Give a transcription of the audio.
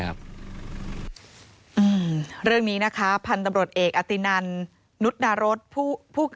เรื่องนี้นะคะพันธุ์ตำรวจเอกอตินันนุษนารสผู้